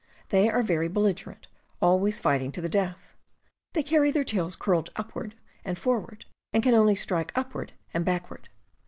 They are very belligerent, always fighting to the death. They carry their tails curled upward and forward, and can only strike upward and backward.